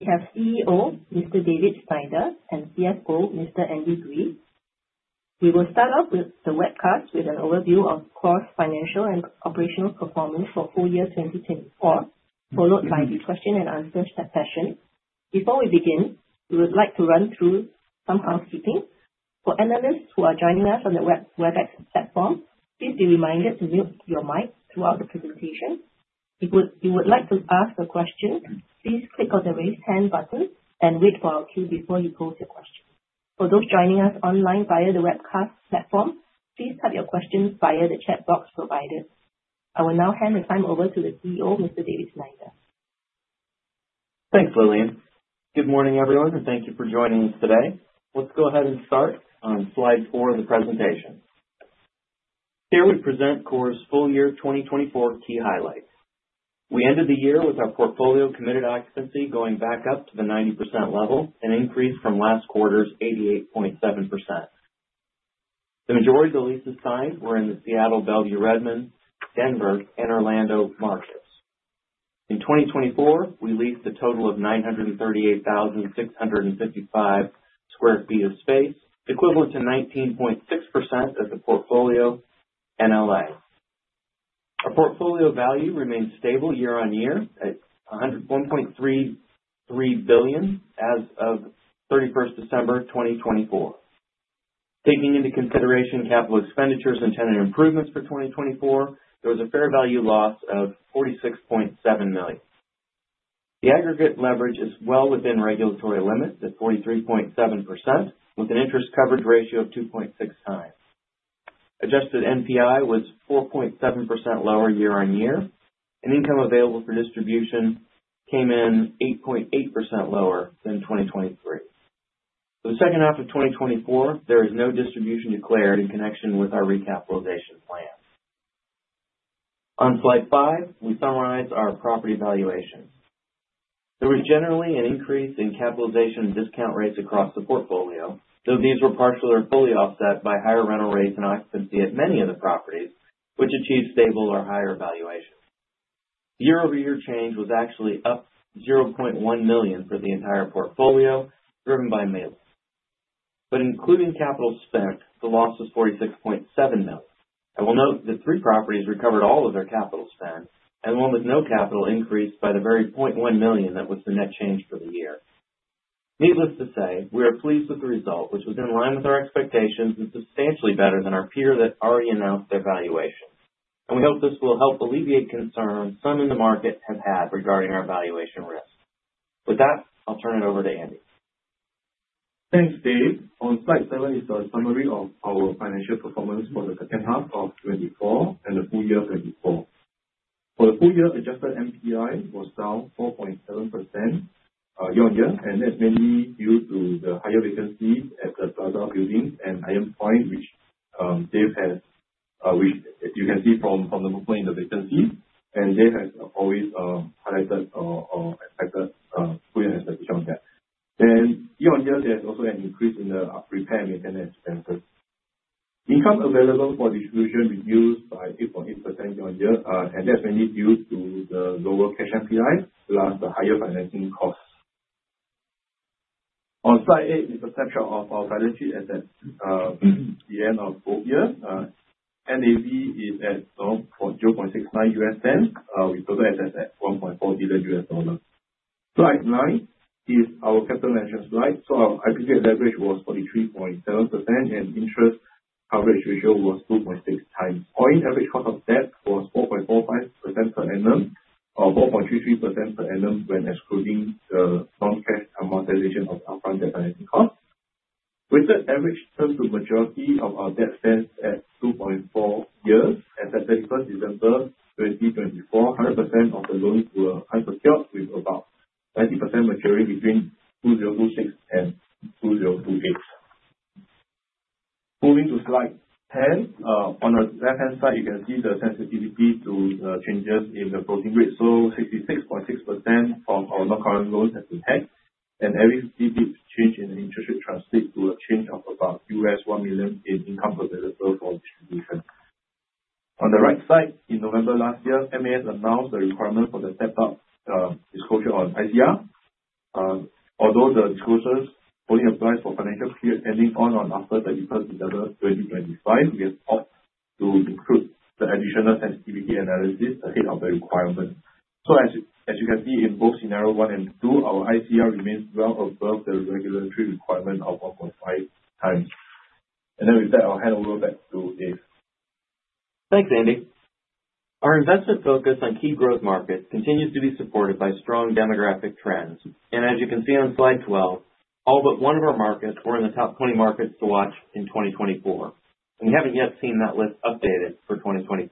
We have CEO, Mr. David Snyder, and CFO, Mr. Andy Greig. We will start off with the webcast with an overview of KORE's financial and operational performance for full year 2024, followed by the question and answer session. Before we begin, we would like to run through some housekeeping. For analysts who are joining us on the Webex platform, please be reminded to mute your mic throughout the presentation. If you would like to ask a question, please click on the Raise Hand button and wait for our cue before you pose your question. For those joining us online via the webcast platform, please type your questions via the chat box provided. I will now hand the time over to the CEO, Mr. David Snyder. Thanks, Lillian. Good morning, everyone, and thank you for joining us today. Let's go ahead and start on slide four of the presentation. Here we present KORE's full year 2024 key highlights. We ended the year with our portfolio committed occupancy going back up to the 90% level, an increase from last quarter's 88.7%. The majority of the leases signed were in the Seattle, Bellevue, Redmond, Denver, and Orlando markets. In 2024, we leased a total of 938,655 sq ft of space, equivalent to 19.6% of the portfolio NLA. Our portfolio value remains stable year-on-year at $1.33 billion as of 31st December, 2024. Taking into consideration capital expenditures and tenant improvements for 2024, there was a fair value loss of $46.7 million. The aggregate leverage is well within regulatory limits at 43.7%, with an interest coverage ratio of 2.6 times. Adjusted NPI was 4.7% lower year-on-year, and income available for distribution came in 8.8% lower than 2023. For the second half of 2024, there is no distribution declared in connection with our recapitalization plan. On slide five, we summarize our property valuation. There was generally an increase in capitalization discount rates across the portfolio, though these were partially or fully offset by higher rental rates and occupancy at many of the properties, which achieved stable or higher valuations. Year-over-year change was actually up $0.1 million for the entire portfolio, driven by mail. Including capital spent, the loss was $46.7 million. I will note that three properties recovered all of their capital spend, and one with no capital increased by the very $0.1 million that was the net change for the year. Needless to say, we are pleased with the result, which was in line with our expectations and substantially better than our peer that already announced their valuation. We hope this will help alleviate concerns some in the market have had regarding our valuation risk. With that, I'll turn it over to Andy. Thanks, Dave. On slide seven is a summary of our financial performance for the second half of 2024 and the full year 2024. For the full year, adjusted NPI was down 4.7% year-on-year. That's mainly due to the higher vacancies at the Plaza building and IM Five, which you can see from the movement in the vacancies. Dave has always highlighted or expected full year as a beyond that. Year-on-year, there's also an increase in the repair and maintenance expenses. Income available for distribution reduced by 2.8% year-on-year. That's mainly due to the lower cash NPI, plus the higher financing costs. On slide eight is a section of our balance sheet as at the end of full year. NAV is at $0.69. We also assess at $1.4 billion. Slide nine is our capital measures slide. Our IPCA leverage was 43.7%, and interest coverage ratio was 2.6 times. Point average cost of debt was 4.45% per annum, or 4.33% per annum when excluding the non-cash amortization of upfront debt financing costs. Weighted average term to maturity of our debt stands at 2.4 years. As at 31st December 2024, 100% of the loans were hyper secured, with about 90% maturing between 2026 and 2028. Moving to slide ten. On the left-hand side, you can see the sensitivity to the changes in the floating rate. 66.6% from our non-current loans has been hedged, and every 50 basis points change in the interest rate translates to a change of about $1 million in income available for distribution. On the right side, in November last year, MAS announced the requirement for the step-up disclosure on ICR. Although the disclosures only apply for financial periods ending on or after 31st December 2025, we have opted to include the additional sensitivity analysis ahead of the requirement. As you can see in both scenario one and two, our ICR remains well above the regulatory requirement of 1.5 times. With that, I'll hand over back to Dave. Thanks, Andy. Our investment focus on key growth markets continues to be supported by strong demographic trends. As you can see on slide twelve, all but one of our markets were in the top twenty markets to watch in 2024. We haven't yet seen that list updated for 2025.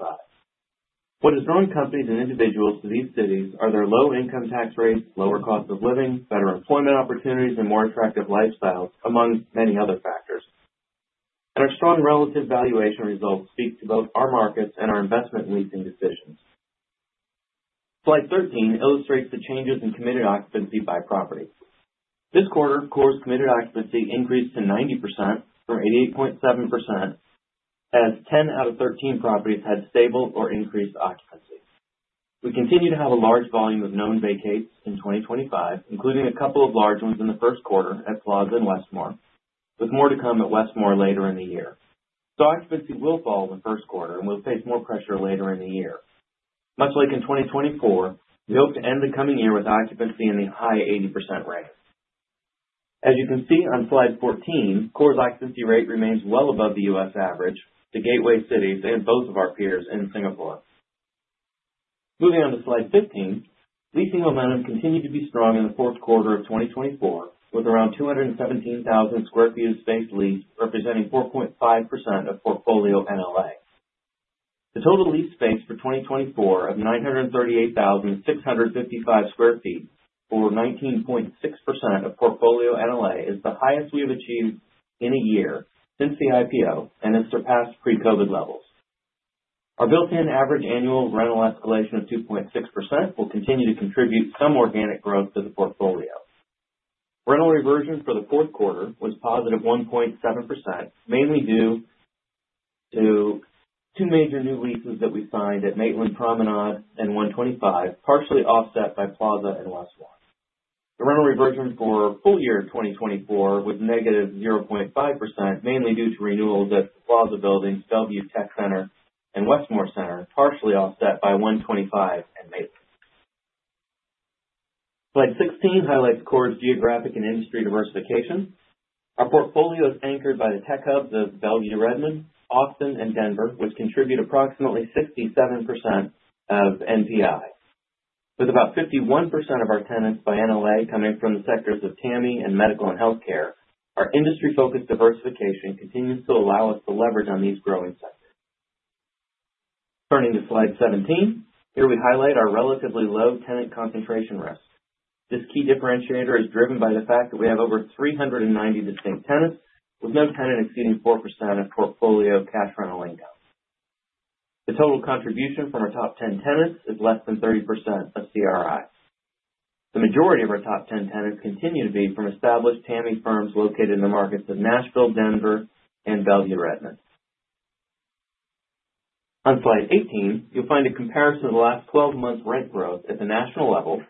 What has drawn companies and individuals to these cities are their low income tax rates, lower cost of living, better employment opportunities, and more attractive lifestyles, among many other factors. Our strong relative valuation results speak to both our markets and our investment leasing decisions. Slide thirteen illustrates the changes in committed occupancy by property. This quarter, KORE's committed occupancy increased to 90% from 88.7%, as 10 out of 13 properties had stable or increased occupancy. We continue to have a large volume of known vacates in 2025, including a couple of large ones in the first quarter at Plaza and Westmoor, with more to come at Westmoor later in the year. Occupancy will fall in the first quarter and will face more pressure later in the year. Much like in 2024, we hope to end the coming year with occupancy in the high 80% range. As you can see on slide 14, KORE's occupancy rate remains well above the U.S. average, the gateway cities, and both of our peers in Singapore. Moving on to slide 15, leasing momentum continued to be strong in the fourth quarter of 2024, with around 217,000 sq ft of space leased, representing 4.5% of portfolio NLA. The total leased space for 2024 of 938,655 sq ft, or 19.6% of portfolio NLA, is the highest we have achieved in a year since the IPO and has surpassed pre-COVID levels. Our built-in average annual rental escalation of 2.6% will continue to contribute some organic growth to the portfolio. Rental reversion for the fourth quarter was positive 1.7%, mainly due to two major new leases that we signed at Maitland Promenade and 125, partially offset by Plaza and Westmoor. The rental reversion for full year 2024 was negative 0.5%, mainly due to renewals at Plaza Buildings, Bellevue Tech Center, and Westmoor Center, partially offset by 125 and Maitland. Slide 16 highlights KORE's geographic and industry diversification. Our portfolio is anchored by the tech hubs of Bellevue/Redmond, Austin, and Denver, which contribute approximately 67% of NPI. With about 51% of our tenants by NLA coming from the sectors of TAMI and medical and healthcare, our industry-focused diversification continues to allow us to leverage on these growing sectors. Turning to slide 17. Here we highlight our relatively low tenant concentration risk. This key differentiator is driven by the fact that we have over 390 distinct tenants, with no tenant exceeding 4% of portfolio cash rental income. The total contribution from our top 10 tenants is less than 30% of CRI. The majority of our top 10 tenants continue to be from established TAMI firms located in the markets of Nashville, Denver, and Bellevue/Redmond. On slide 18, you'll find a comparison of the last 12-month rent growth at the national level,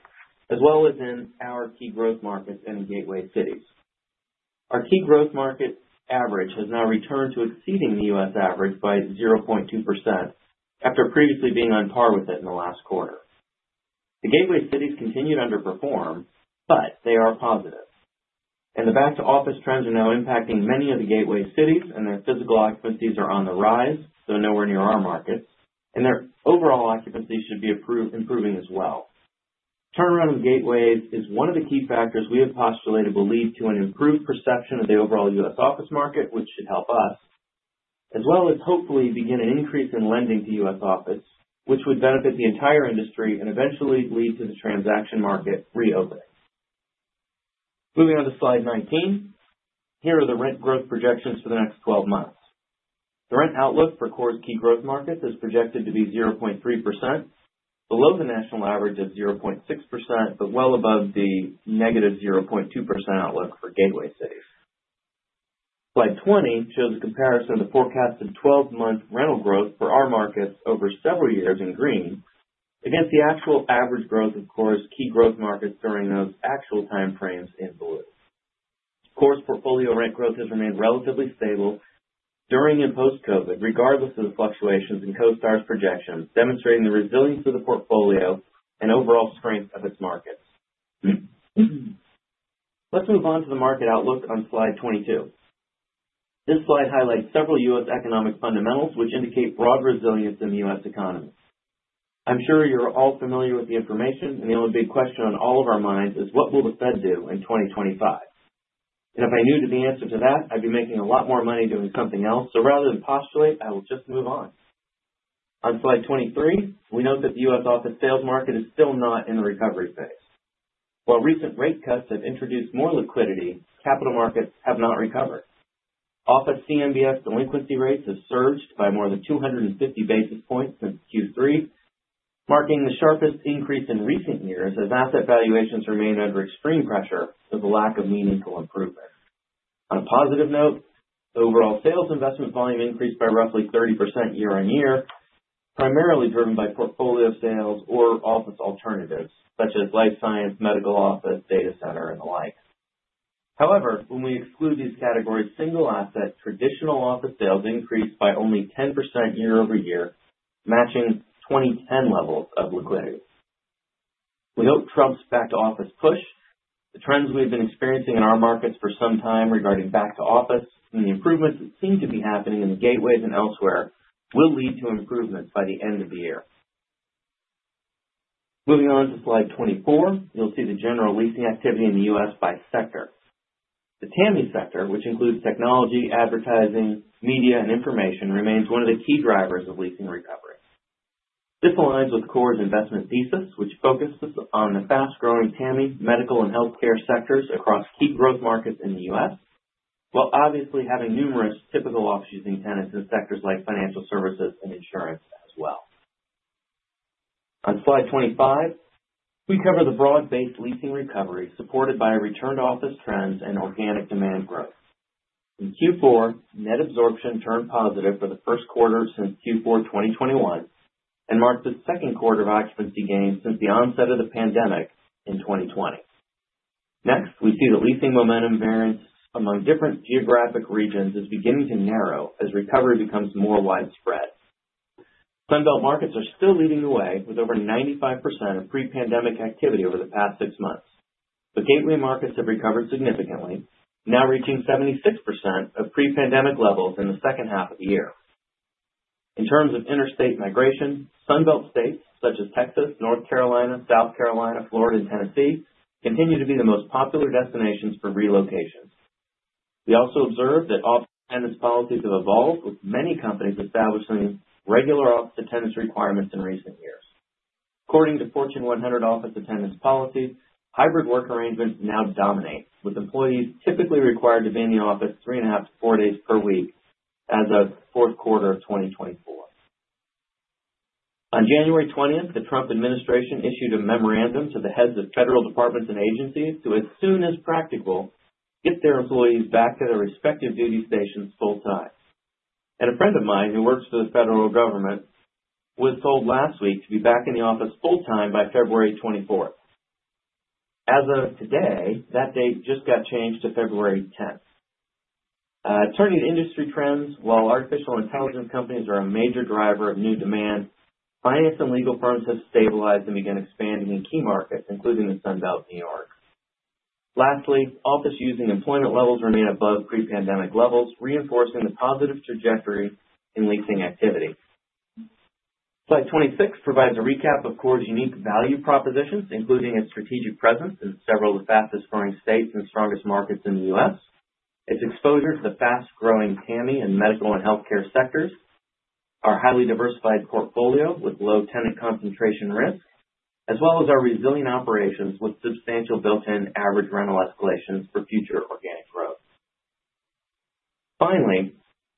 as well as in our key growth markets and gateway cities. Our key growth market average has now returned to exceeding the U.S. average by 0.2% after previously being on par with it in the last quarter. The gateway cities continued to underperform, but they are positive, and the back-to-office trends are now impacting many of the gateway cities, and their physical occupancies are on the rise, though nowhere near our markets, and their overall occupancy should be improving as well. Turnaround in gateways is one of the key factors we have postulated will lead to an improved perception of the overall U.S. office market, which should help us as well as hopefully begin an increase in lending to U.S. office, which would benefit the entire industry and eventually lead to the transaction market reopening. Moving on to slide 19. Here are the rent growth projections for the next 12 months. The rent outlook for KORE's key growth markets is projected to be 0.3%, below the national average of 0.6%, but well above the negative 0.2% outlook for gateway cities. Slide 20 shows a comparison of the forecasted 12-month rental growth for our markets over several years in green against the actual average growth of KORE's key growth markets during those actual time frames in blue. KORE's portfolio rent growth has remained relatively stable during and post-COVID, regardless of the fluctuations in CoStar's projections, demonstrating the resilience of the portfolio and overall strength of its markets. Let's move on to the market outlook on slide 22. This slide highlights several U.S. economic fundamentals which indicate broad resilience in the U.S. economy. I'm sure you're all familiar with the information, the only big question on all of our minds is: What will the Fed do in 2025? If I knew the answer to that, I'd be making a lot more money doing something else. Rather than postulate, I will just move on. On slide 23, we note that the U.S. office sales market is still not in the recovery phase. While recent rate cuts have introduced more liquidity, capital markets have not recovered. Office CMBS delinquency rates have surged by more than 250 basis points since Q3, marking the sharpest increase in recent years as asset valuations remain under extreme pressure with the lack of meaningful improvement. On a positive note, the overall sales investment volume increased by roughly 30% year-on-year, primarily driven by portfolio sales or office alternatives such as life science, medical office, data center and the like. However, when we exclude these categories, single-asset traditional office sales increased by only 10% year-over-year, matching 2010 levels of liquidity. We hope Trump's back-to-office push, the trends we've been experiencing in our markets for some time regarding back to office and the improvements that seem to be happening in the gateways and elsewhere will lead to improvements by the end of the year. Moving on to slide 24, you'll see the general leasing activity in the U.S. by sector. The TAMI sector, which includes technology, advertising, media, and information, remains one of the key drivers of leasing recovery. This aligns with KORE's investment thesis, which focuses on the fast-growing TAMI, medical, and healthcare sectors across key growth markets in the U.S., while obviously having numerous typical office-using tenants in sectors like financial services and insurance as well. On slide 25, we cover the broad-based leasing recovery supported by return-to-office trends and organic demand growth. In Q4, net absorption turned positive for the first quarter since Q4 2021 and marks the second quarter of occupancy gains since the onset of the pandemic in 2020. Next, we see the leasing momentum variance among different geographic regions is beginning to narrow as recovery becomes more widespread. Sun Belt markets are still leading the way with over 95% of pre-pandemic activity over the past six months, but gateway markets have recovered significantly, now reaching 76% of pre-pandemic levels in the second half of the year. In terms of interstate migration, Sun Belt states such as Texas, North Carolina, South Carolina, Florida, and Tennessee continue to be the most popular destinations for relocations. We also observed that office attendance policies have evolved, with many companies establishing regular office attendance requirements in recent years. According to Fortune 100 office attendance policies, hybrid work arrangements now dominate, with employees typically required to be in the office three and a half to four days per week as of fourth quarter of 2024. On January 20th, the Trump administration issued a memorandum to the heads of federal departments and agencies to, as soon as practical, get their employees back at their respective duty stations full-time. A friend of mine who works for the federal government was told last week to be back in the office full-time by February 24th. As of today, that date just got changed to February 10th. Turning to industry trends, while artificial intelligence companies are a major driver of new demand, finance and legal firms have stabilized and began expanding in key markets, including the Sun Belt and New York. Lastly, office using employment levels remain above pre-pandemic levels, reinforcing the positive trajectory in leasing activity. Slide 26 provides a recap of KORE's unique value propositions, including its strategic presence in several of the fastest-growing states and strongest markets in the U.S., its exposure to the fast-growing TAMI and medical and healthcare sectors, our highly diversified portfolio with low tenant concentration risk, as well as our resilient operations with substantial built-in average rental escalation for future organic growth. Finally,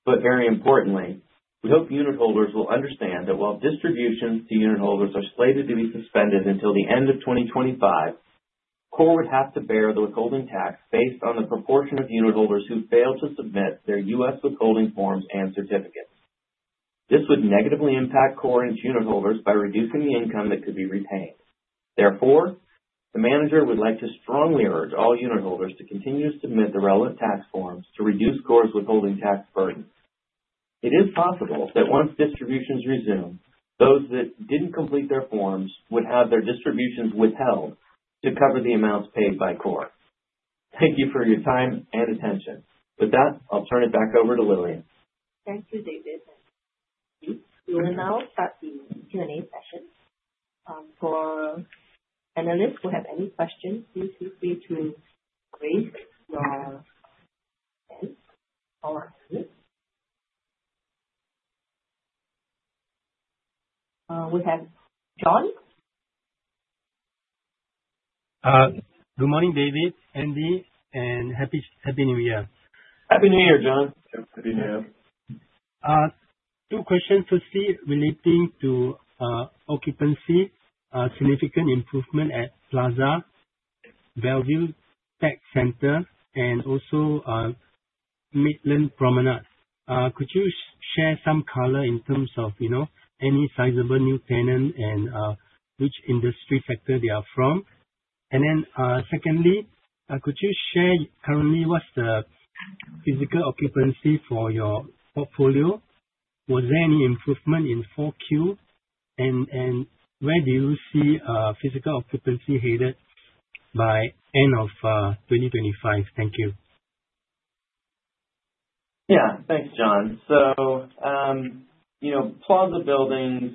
very importantly, we hope unitholders will understand that while distributions to unitholders are slated to be suspended until the end of 2025, KORE would have to bear the withholding tax based on the proportion of unitholders who fail to submit their U.S. withholding forms and certificates. This would negatively impact KORE and its unitholders by reducing the income that could be repaid. The manager would like to strongly urge all unitholders to continue to submit the relevant tax forms to reduce KORE's withholding tax burden. It is possible that once distributions resume, those that didn't complete their forms would have their distributions withheld to cover the amounts paid by KORE. Thank you for your time and attention. With that, I'll turn it back over to Lillian. Thank you, David. We will now start the Q&A session. For analysts who have any questions, please feel free to raise your hand. We have John. Good morning, David, Andy, and Happy New Year. Happy New Year, John. Happy New Year. Two questions. Firstly, relating to occupancy, significant improvement at Plaza, Bellevue Tech Center, and also Maitland Promenade. Could you share some color in terms of any sizable new tenant and which industry sector they are from? Secondly, could you share currently what's the physical occupancy for your portfolio? Was there any improvement in four Q, and where do you see physical occupancy headed by end of 2025? Thank you. Yeah. Thanks, John. Plaza Buildings,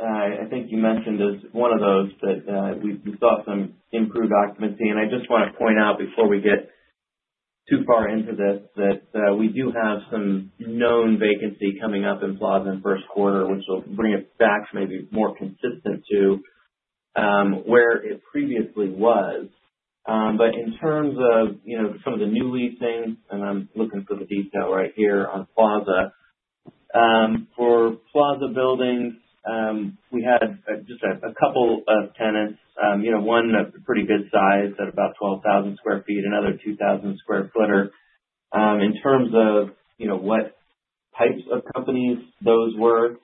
I think you mentioned, is one of those that we saw some improved occupancy. I just want to point out before we get too far into this, that we do have some known vacancy coming up in Plaza in first quarter, which will bring it back maybe more consistent to where it previously was. In terms of some of the new leasing, I'm looking for the detail right here on Plaza. For Plaza Buildings, we had just a couple of tenants. One a pretty good size at about 12,000 sq ft, another 2,000 square footer. In terms of what types of companies those were,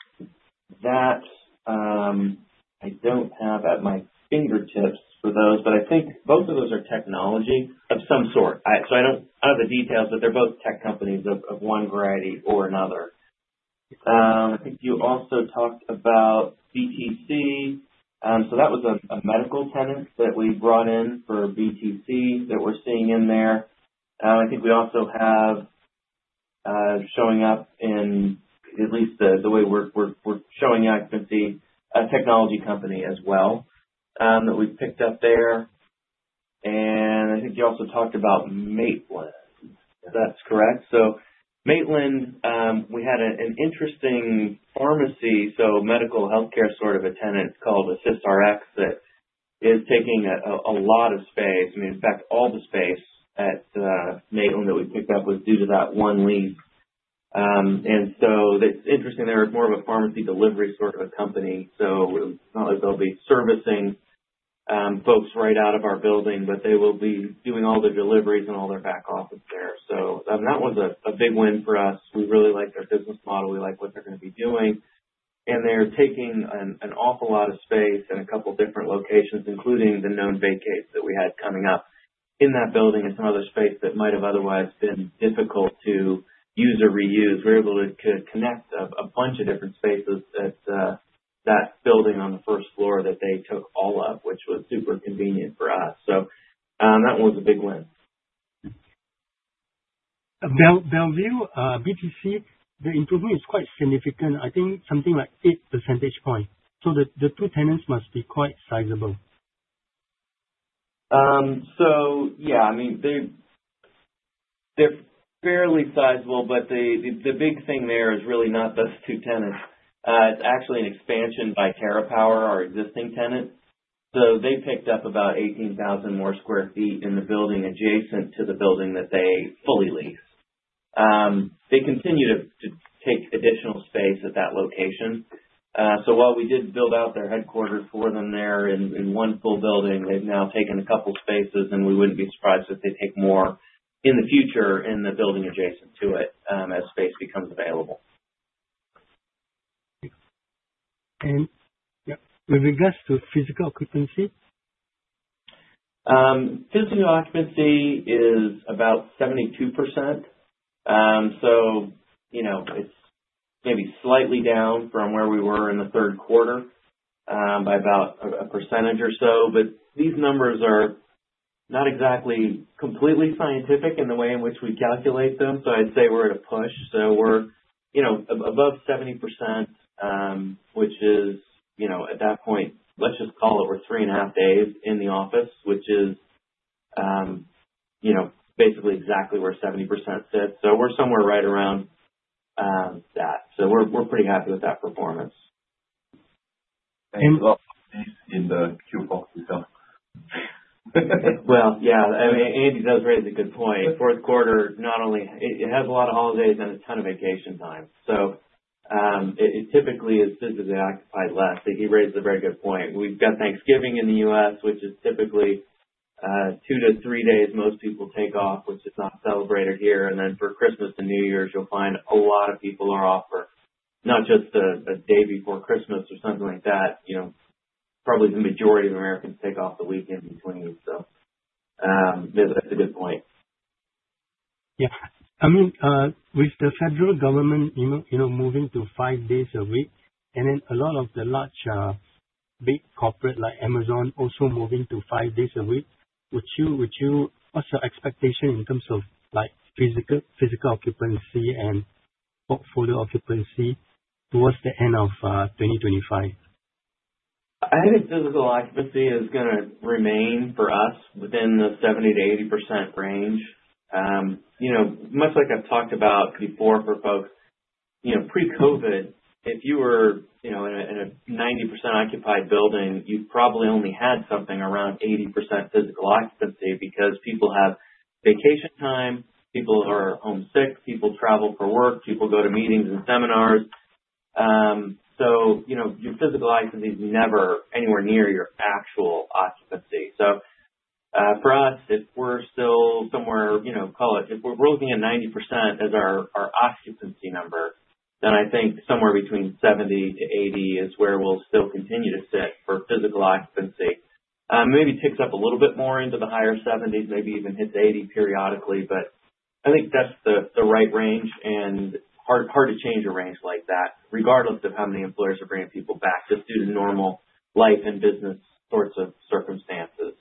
that I don't have at my fingertips for those, but I think both of those are technology of some sort. I don't have the details, but they're both tech companies of one variety or another. I think you also talked about BTC. That was a medical tenant that we brought in for BTC that we're seeing in there. I think we also have, showing up in at least the way we're showing the occupancy, a technology company as well, that we've picked up there. I think you also talked about Maitland, if that's correct. Maitland, we had an interesting pharmacy, medical healthcare sort of a tenant called AssistRx, that is taking a lot of space. I mean, in fact, all the space at Maitland that we picked up was due to that one lease. It's interesting, they're more of a pharmacy delivery sort of a company, it's not like they'll be servicing folks right out of our building, but they will be doing all their deliveries and all their back office there. That was a big win for us. We really like their business model. We like what they're going to be doing, and they're taking an awful lot of space in a couple different locations, including the known vacates that we had coming up in that building and some other space that might have otherwise been difficult to use or reuse. We were able to connect a bunch of different spaces that building on the first floor that they took all of, which was super convenient for us. That was a big win. Bellevue, BTC, the improvement is quite significant, I think something like eight percentage points. The two tenants must be quite sizable. Yeah, they're fairly sizable, the big thing there is really not those two tenants. It's actually an expansion by TerraPower, our existing tenant. They picked up about 18,000 more sq ft in the building adjacent to the building that they fully lease. They continue to take additional space at that location. While we did build out their headquarters for them there in one full building, they've now taken a couple spaces, and we wouldn't be surprised if they take more in the future in the building adjacent to it, as space becomes available. With regards to physical occupancy? Physical occupancy is about 72%. It's maybe slightly down from where we were in the 3rd quarter, by about a percentage or so. These numbers are not exactly completely scientific in the way in which we calculate them. I'd say we're at a push. We're above 70%, which is at that point, let's just call it, we're three and a half days in the office, which is basically exactly where 70% sits. We're somewhere right around that. We're pretty happy with that performance. In the queue box. Well, yeah. Andy does raise a good point. Fourth quarter, it has a lot of holidays and a ton of vacation time, so it typically is physically occupied less. He raises a very good point. We've got Thanksgiving in the U.S., which is typically two to three days most people take off, which is not celebrated here. For Christmas and New Year's, you'll find a lot of people are off for not just the day before Christmas or something like that. Probably the majority of Americans take off the weekend in between. That's a good point. Yeah. With the federal government moving to five days a week and then a lot of the large, big corporate like Amazon also moving to five days a week, what's your expectation in terms of physical occupancy and portfolio occupancy towards the end of 2025? I think physical occupancy is going to remain for us within the 70%-80% range. Much like I've talked about before for folks, pre-COVID, if you were in a 90% occupied building, you probably only had something around 80% physical occupancy because people have vacation time, people are home sick, people travel for work, people go to meetings and seminars. Your physical occupancy is never anywhere near your actual occupancy. For us, if we're still somewhere, call it, if we're roofing at 90% as our occupancy number, then I think somewhere between 70 to 80 is where we'll still continue to sit for physical occupancy. Maybe ticks up a little bit more into the higher 70s, maybe even hits 80 periodically. I think that's the right range and hard to change a range like that, regardless of how many employers are bringing people back, just due to normal life and business sorts of circumstances.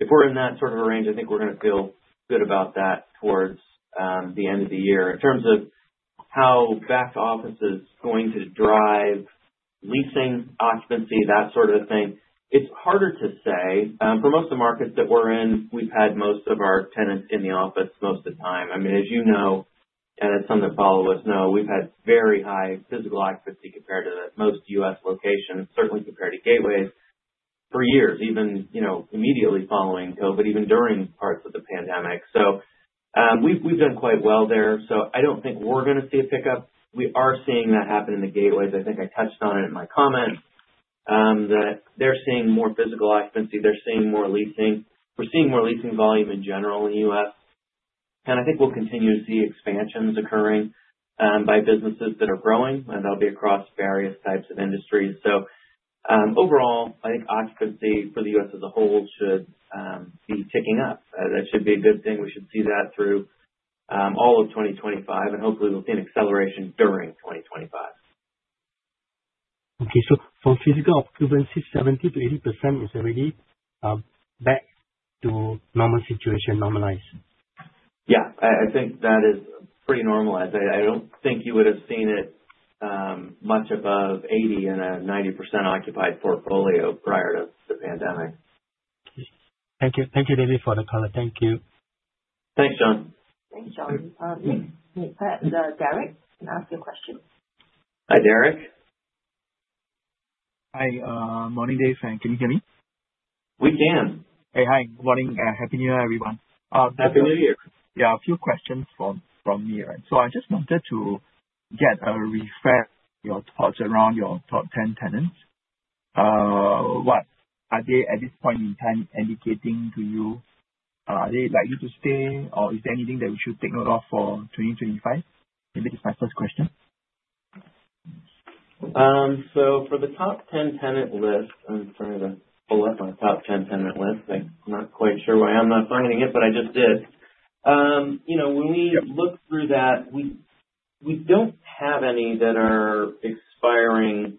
If we're in that sort of a range, I think we're going to feel good about that towards the end of the year. In terms of how back office is going to drive leasing occupancy, that sort of thing, it's harder to say. For most of the markets that we're in, we've had most of our tenants in the office most of the time. As you know, and some that follow us know, we've had very high physical occupancy compared to most U.S. locations, certainly compared to Gateways for years, even immediately following COVID, even during parts of the pandemic. We've done quite well there. I don't think we're going to see a pickup. We are seeing that happen in the Gateways. I think I touched on it in my comments, that they're seeing more physical occupancy. They're seeing more leasing. We're seeing more leasing volume in general in the U.S., and I think we'll continue to see expansions occurring, by businesses that are growing, and they'll be across various types of industries. Overall, I think occupancy for the U.S. as a whole should be ticking up. That should be a good thing. We should see that through all of 2025, and hopefully we'll see an acceleration during 2025. Okay. For physical occupancy, 70% to 80% is already back to normal situation normalized? Yeah, I think that is pretty normalized. I don't think you would've seen it much above 80 in a 90% occupied portfolio prior to the pandemic. Thank you. Thank you, David, for the call. Thank you. Thanks, John. Thanks, John. Derek, you can ask your question. Hi, Derek. Hi. Morning, Dave. Can you hear me? We can. Hey, hi. Good morning, and Happy New Year, everyone. Happy New Year. Yeah, a few questions from me. I just wanted to get a refresh of your thoughts around your top 10 tenants. What are they, at this point in time, indicating to you? Are they likely to stay, or is there anything that we should take note of for 2025? Maybe that's my first question. For the top 10 tenant list, I'm trying to pull up my top 10 tenant list. I'm not quite sure why I'm not finding it, but I just did. When we look through that, we don't have any that are expiring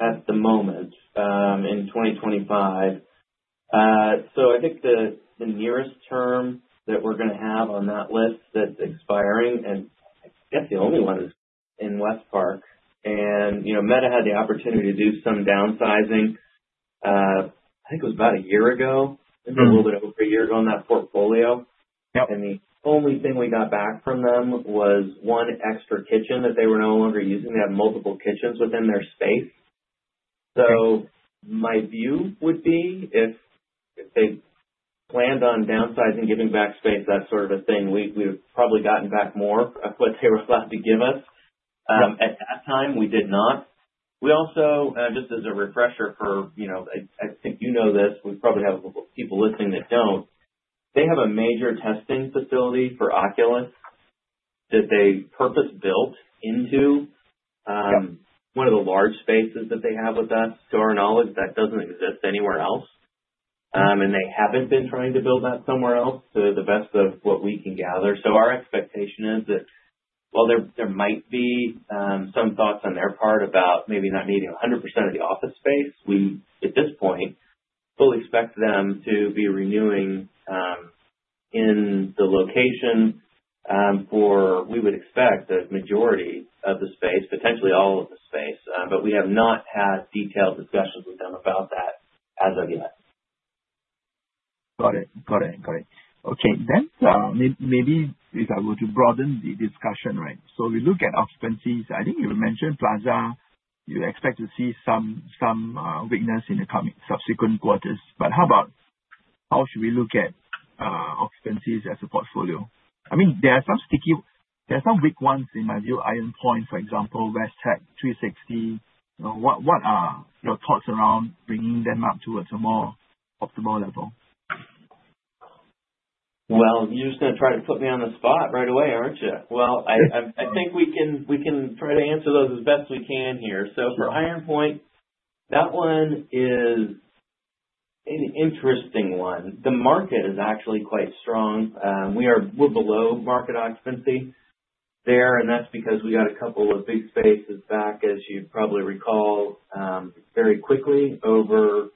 at the moment in 2025. I think the nearest term that we're going to have on that list that's expiring, and I guess the only one, is in Westpark. Meta had the opportunity to do some downsizing, I think it was about a year ago maybe a little bit over a year ago on that portfolio. Yep. The only thing we got back from them was one extra kitchen that they were no longer using. They have multiple kitchens within their space. My view would be if they planned on downsizing, giving back space, that sort of a thing, we'd have probably gotten back more of what they were slough to give us. Yep. At that time, we did not. We also, just as a refresher for I think you know this, we probably have a couple people listening that don't. They have a major testing facility for Oculus that they purpose-built into. Yep one of the large spaces that they have with us. To our knowledge, that doesn't exist anywhere else, and they haven't been trying to build that somewhere else to the best of what we can gather. Our expectation is that while there might be some thoughts on their part about maybe not needing 100% of the office space, we, at this point, fully expect them to be renewing in the location for, we would expect, the majority of the space, potentially all of the space. We have not had detailed discussions with them about that as of yet. Got it. Okay. Maybe if I were to broaden the discussion, right. We look at occupancies, I think you mentioned Plaza, you expect to see some weakness in the coming subsequent quarters. How about how should we look at occupancies as a portfolio? There are some weak ones in my view, Iron Point, for example, West Tech 360. What are your thoughts around bringing them up towards a more optimal level? Well, you're just going to try to put me on the spot right away, aren't you? Well, I think we can try to answer those as best we can here. For Iron Point, that one is an interesting one. The market is actually quite strong. We're below market occupancy there, and that's because we got a couple of big spaces back, as you probably recall, very quickly over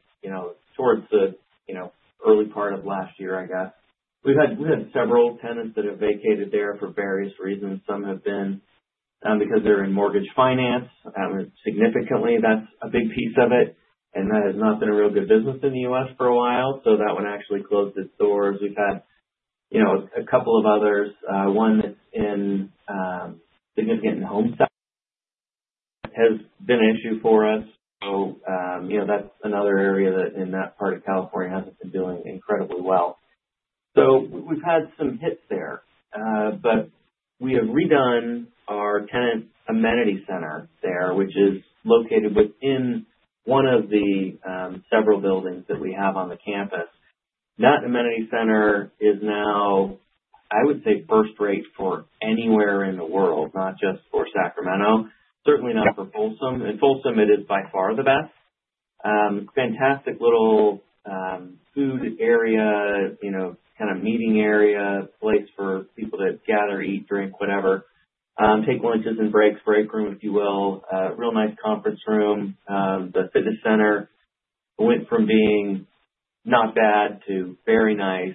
towards the early part of last year, I guess. We've had several tenants that have vacated there for various reasons. Some have been because they're in mortgage finance. Significantly, that's a big piece of it, and that has not been a real good business in the U.S. for a while. That one actually closed its doors. We've had a couple of others. One that's significant in home stuff has been an issue for us. That's another area that, in that part of California, hasn't been doing incredibly well. We've had some hits there. We have redone our tenant amenity center there, which is located within one of the several buildings that we have on the campus. That amenity center is now, I would say, first rate for anywhere in the world, not just for Sacramento, certainly not for Folsom. In Folsom, it is by far the best. Fantastic little food area, kind of meeting area, place for people to gather, eat, drink, whatever, take lunches and breaks, break room, if you will. A real nice conference room. The fitness center went from being not bad to very nice.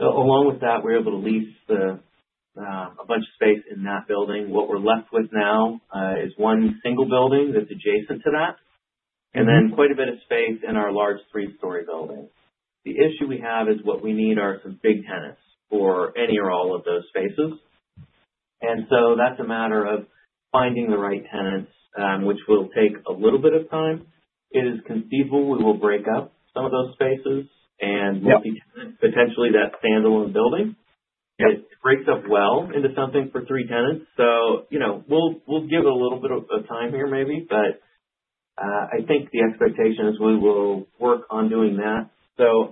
Along with that, we were able to lease a bunch of space in that building. What we're left with now is one single building that's adjacent to that- Then quite a bit of space in our large three-story building. The issue we have is what we need are some big tenants for any or all of those spaces. So that's a matter of finding the right tenants, which will take a little bit of time. It is conceivable we will break up some of those spaces. Yep Potentially that standalone building. Yep. It breaks up well into something for three tenants. We'll give it a little bit of time here, maybe. I think the expectation is we will work on doing that.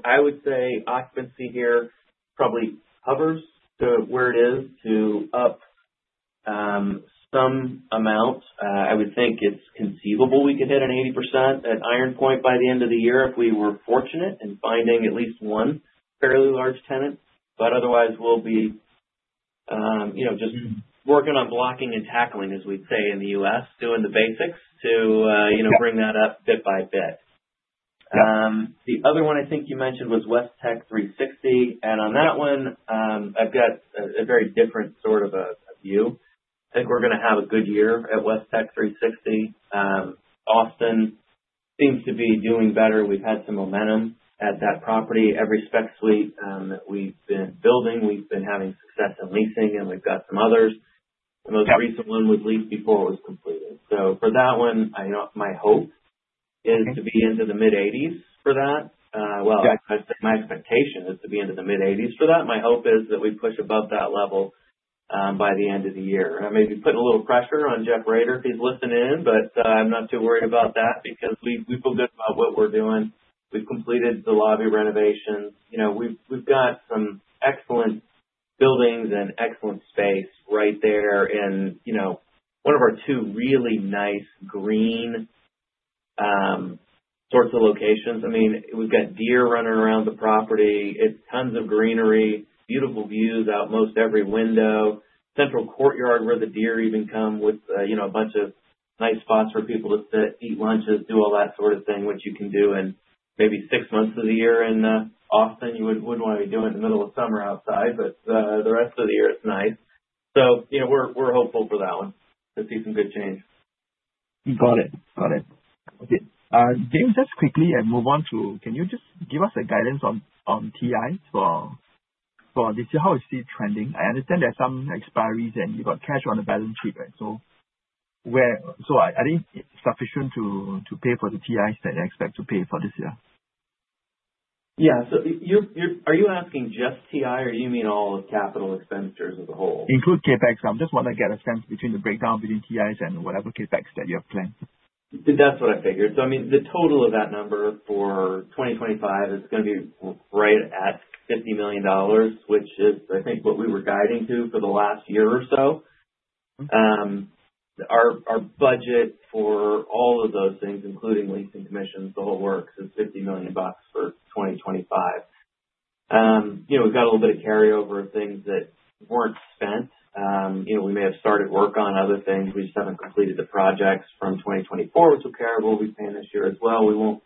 I would say occupancy here probably hovers to where it is to up some amount. I would think it's conceivable we could hit an 80% at Iron Point by the end of the year if we were fortunate in finding at least one fairly large tenant. Otherwise, we'll be just working on blocking and tackling, as we'd say in the U.S., doing the basics. Yep Bring that up bit by bit. Yep. The other one I think you mentioned was West Tech 360, on that one, I've got a very different sort of a view. I think we're going to have a good year at West Tech 360. Austin seems to be doing better. We've had some momentum at that property. Every spec suite that we've been building, we've been having success in leasing, we've got some others. Okay. The most recent one was leased before it was completed. For that one, my hope is to be into the mid-80s for that. Okay. My expectation is to be into the mid-80s for that. My hope is that we push above that level by the end of the year. I may be putting a little pressure on Jeff Rader if he's listening in, I'm not too worried about that because we feel good about what we're doing. We've completed the lobby renovations. We've got some excellent buildings and excellent space right there and one of our two really nice green sorts of locations. We've got deer running around the property. It's tons of greenery, beautiful views out most every window, central courtyard where the deer even come with a bunch of nice spots for people to sit, eat lunches, do all that sort of thing, which you can do in maybe six months of the year in Austin. You wouldn't want to be doing it in the middle of summer outside, the rest of the year it's nice. We're hopeful for that one to see some good change. Got it. Okay. James, can you just give us a guidance on TIs for this year? How is it trending? I understand there's some expiries and you've got cash on the balance sheet, right? I think sufficient to pay for the TIs that you expect to pay for this year. Yeah. Are you asking just TI or you mean all capital expenditures as a whole? Include CapEx. I just want to get a sense between the breakdown between TIs and whatever CapEx that you have planned. That's what I figured. The total of that number for 2025 is going to be right at $50 million, which is, I think, what we were guiding to for the last year or so. Okay. Our budget for all of those things, including leasing commissions, the whole works, is $50 million for 2025. We've got a little bit of carryover of things that weren't spent. We may have started work on other things. We just haven't completed the projects from 2024, which we'll be paying this year as well. We won't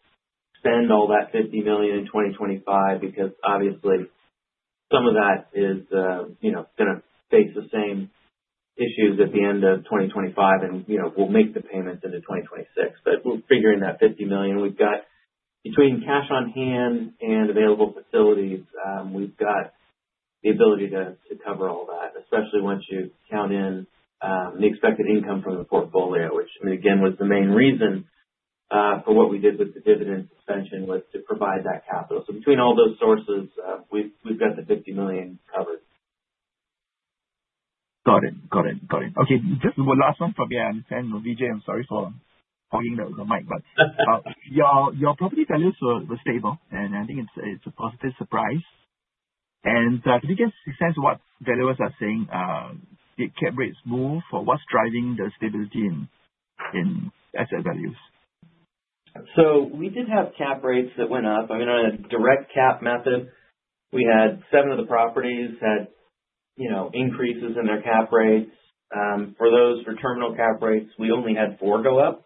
spend all that $50 million in 2025 because obviously some of that is going to face the same issues at the end of 2025, and we'll make the payments into 2026. We're figuring that $50 million. We've got between cash on hand and available facilities, we've got the ability to cover all that, especially once you count in the expected income from the portfolio, which, again, was the main reason for what we did with the dividend suspension, was to provide that capital. Between all those sources, we've got the $50 million covered. Got it. Okay. Just one last one from me. I understand, Vijay, I'm sorry for hogging the mic, but your property values were stable, and I think it's a positive surprise. Can you just sense what valuers are saying? Did cap rates move, or what's driving the stability in asset values? We did have cap rates that went up. On a direct cap method, we had seven of the properties had increases in their cap rates. For those for terminal cap rates, we only had four go up.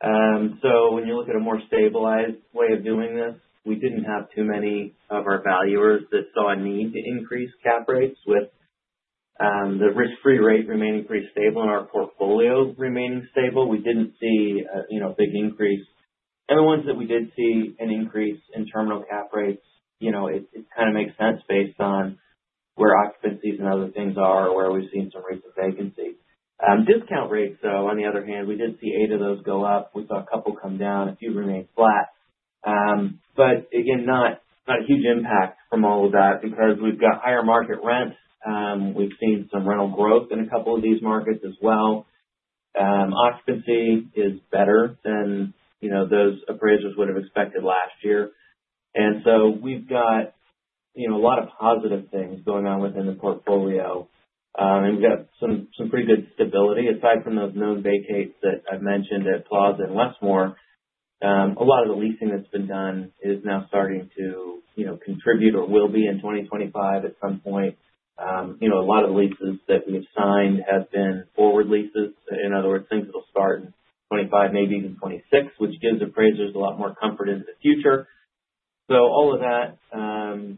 When you look at a more stabilized way of doing this, we didn't have too many of our valuers that saw a need to increase cap rates with the risk-free rate remaining pretty stable and our portfolios remaining stable. We didn't see a big increase. The ones that we did see an increase in terminal cap rates, it kind of makes sense based on where occupancies and other things are, where we've seen some rates of vacancy. Discount rates, though, on the other hand, we did see eight of those go up. We saw a couple come down, a few remained flat. Again, not a huge impact from all of that because we've got higher market rents. We've seen some rental growth in a couple of these markets as well. Occupancy is better than those appraisers would have expected last year. We've got a lot of positive things going on within the portfolio. We've got some pretty good stability. Aside from those known vacates that I've mentioned at Plaza and Westmoor, a lot of the leasing that's been done is now starting to contribute or will be in 2025 at some point. A lot of the leases that we've signed have been forward leases. In other words, things that will start in 2025, maybe even 2026, which gives appraisers a lot more comfort into the future. All of that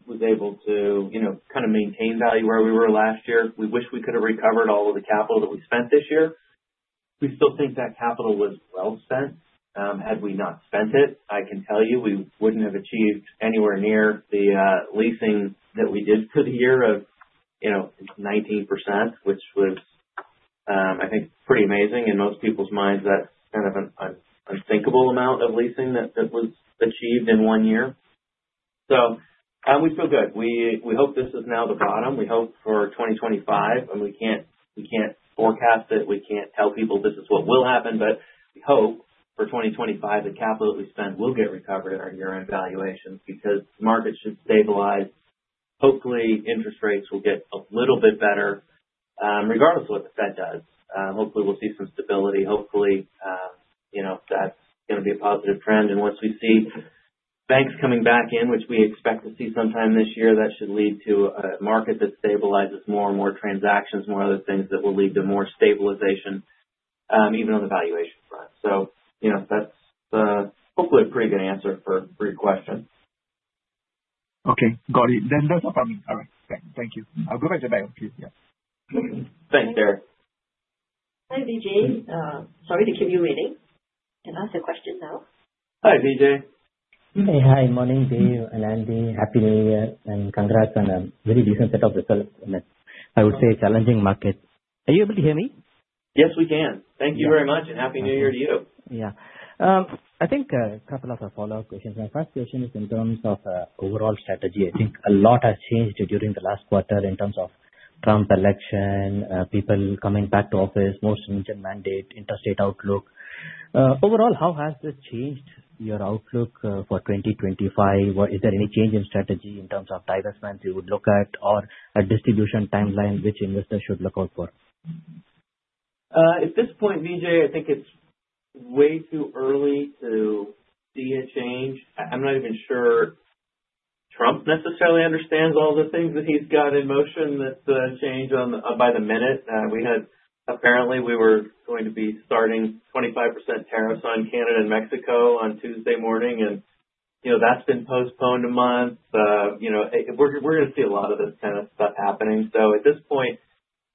was able to kind of maintain value where we were last year. We wish we could have recovered all of the capital that we spent this year. We still think that capital was well spent. Had we not spent it, I can tell you we wouldn't have achieved anywhere near the leasing that we did for the year of 19%, which was, I think, pretty amazing. In most people's minds, that's kind of an unthinkable amount of leasing that was achieved in one year. We feel good. We hope this is now the bottom. We hope for 2025, and we can't forecast it. We can't tell people this is what will happen, but we hope for 2025, the capital that we spent will get recovered in our year-end valuations because the market should stabilize. Hopefully, interest rates will get a little bit better, regardless of what the Fed does. Hopefully, we'll see some stability. Hopefully, that's going to be a positive trend, and once we see banks coming back in, which we expect to see sometime this year, that should lead to a market that stabilizes more and more transactions, more other things that will lead to more stabilization, even on the valuation front. That's hopefully a pretty good answer for your question. Okay. Got it. That's all from me. All right. Thank you. I'll go back to the back please. Yeah. Thanks, Eric. Hi, Vijay. Sorry to keep you waiting. You can ask your question now. Hi, Vijay. Hi. Morning, Dave and Andy. Happy New Year, congrats on a very decent set of results in a, I would say, challenging market. Are you able to hear me? Yes, we can. Thank you very much, and Happy New Year to you. Yeah. I think a couple of follow-up questions. My first question is in terms of overall strategy. I think a lot has changed during the last quarter in terms of Trump's election, people coming back to office, more stringent mandate, interstate outlook. Overall, how has this changed your outlook for 2025? Is there any change in strategy in terms of divestments you would look at or a distribution timeline which investors should look out for? At this point, Vijay, I think it's way too early to see a change. I'm not even sure Trump necessarily understands all the things that he's got in motion that change by the minute. Apparently, we were going to be starting 25% tariffs on Canada and Mexico on Tuesday morning, and that's been postponed a month. We're going to see a lot of this kind of stuff happening. At this point,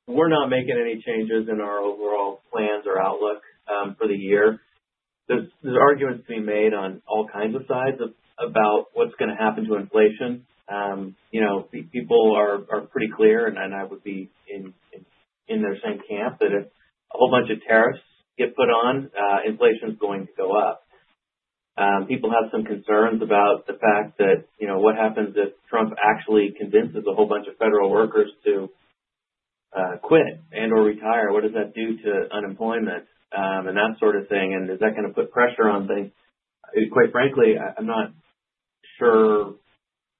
we're not making any changes in our overall plans or outlook for the year. There's arguments to be made on all kinds of sides about what's going to happen to inflation. People are pretty clear, and I would be in their same camp, that if a whole bunch of tariffs get put on, inflation's going to go up. People have some concerns about the fact that, what happens if Trump actually convinces a whole bunch of federal workers to quit and/or retire? What does that do to unemployment, and that sort of thing, and is that going to put pressure on things? Quite frankly, I'm not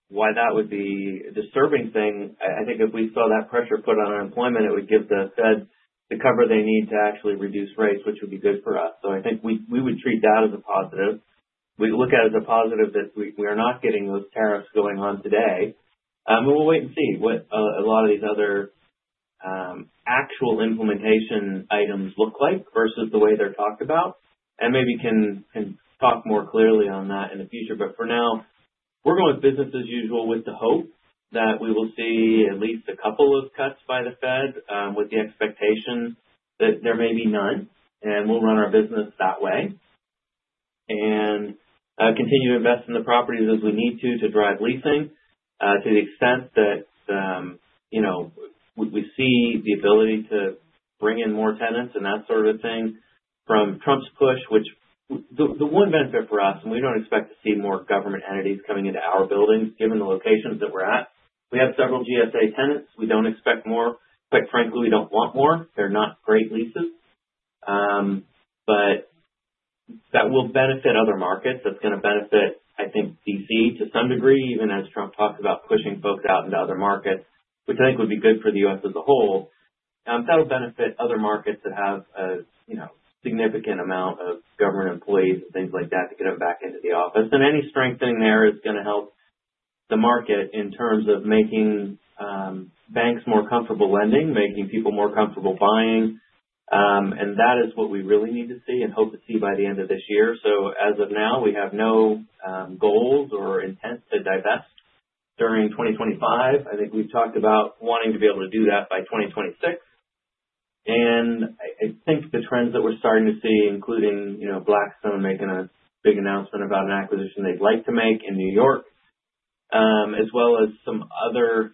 sure why that would be a disturbing thing. I think if we saw that pressure put on unemployment, it would give the Feds the cover they need to actually reduce rates, which would be good for us. I think we would treat that as a positive. We look at it as a positive that we are not getting those tariffs going on today. We'll wait and see what a lot of these other actual implementation items look like versus the way they're talked about, and maybe can talk more clearly on that in the future. For now, we're going with business as usual with the hope that we will see at least a couple of cuts by the Fed, with the expectation that there may be none. We'll run our business that way and continue to invest in the properties as we need to to drive leasing, to the extent that we see the ability to bring in more tenants and that sort of thing from Trump's push. The one benefit for us, we don't expect to see more government entities coming into our buildings, given the locations that we're at. We have several GSA tenants. We don't expect more. Quite frankly, we don't want more. They're not great leases. That will benefit other markets. That's going to benefit, I think, D.C. to some degree, even as Trump talks about pushing folks out into other markets, which I think would be good for the U.S. as a whole. That'll benefit other markets that have a significant amount of government employees and things like that to get them back into the office. Any strengthening there is going to help the market in terms of making banks more comfortable lending, making people more comfortable buying. That is what we really need to see and hope to see by the end of this year. As of now, we have no goals or intent to divest during 2025. I think we've talked about wanting to be able to do that by 2026. I think the trends that we're starting to see, including Blackstone making a big announcement about an acquisition they'd like to make in New York, as well as some other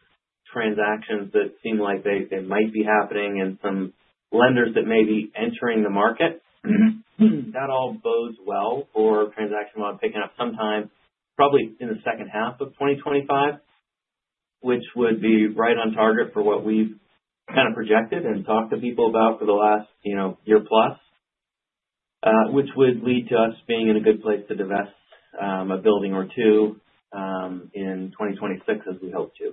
transactions that seem like they might be happening, and some lenders that may be entering the market. That all bodes well for transaction volume picking up sometime probably in the second half of 2025, which would be right on target for what we've kind of projected and talked to people about for the last year plus, which would lead to us being in a good place to divest a building or two in 2026 as we hope to.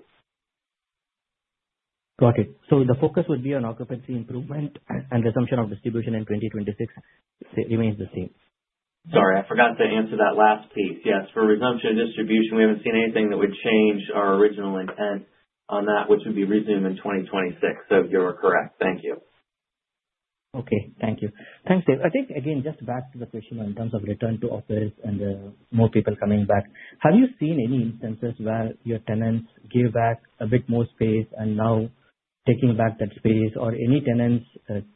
Got it. The focus would be on occupancy improvement and resumption of distribution in 2026 remains the same. Sorry, I forgot to answer that last piece. Yes, for resumption of distribution, we haven't seen anything that would change our original intent on that, which would be resume in 2026. You're correct. Thank you. Okay. Thank you. Thanks, Dave. I think, again, just back to the question in terms of return to office and more people coming back. Have you seen any instances where your tenants gave back a bit more space and now taking back that space? Or any tenants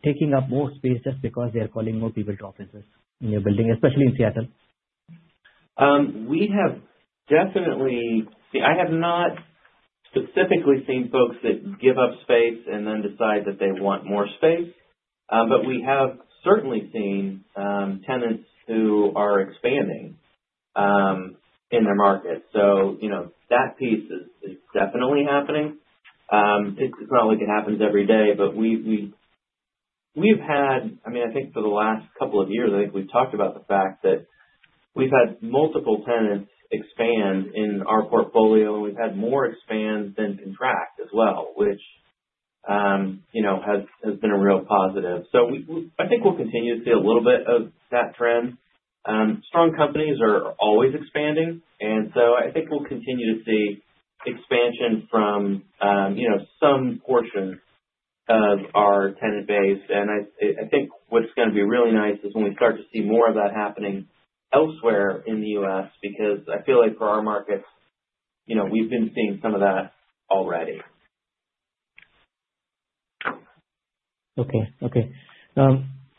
taking up more space just because they are calling more people to offices in your building, especially in Seattle? I have not specifically seen folks that give up space and then decide that they want more space. We have certainly seen tenants who are expanding in their market. That piece is definitely happening. It's not like it happens every day, but I think for the last couple of years, I think we've talked about the fact that we've had multiple tenants expand in our portfolio, and we've had more expand than contract as well, which has been a real positive. I think we'll continue to see a little bit of that trend. Strong companies are always expanding, I think we'll continue to see expansion from some portion of our tenant base. I think what's going to be really nice is when we start to see more of that happening elsewhere in the U.S., because I feel like for our markets, we've been seeing some of that already. Okay.